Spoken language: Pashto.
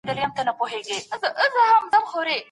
د پښتو تورو د سم استعمال لپاره املا یو اساسي لاره ده.